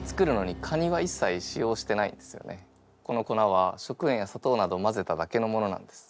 この粉は食塩やさとうなどをまぜただけのものなんです。